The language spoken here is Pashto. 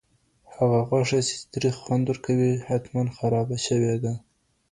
هغه غوښه چې تریخ خوند ورکوي، حتماً خرابه شوې ده.